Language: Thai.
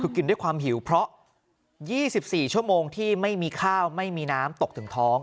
คือกินด้วยความหิวเพราะ๒๔ชั่วโมงที่ไม่มีข้าวไม่มีน้ำตกถึงท้อง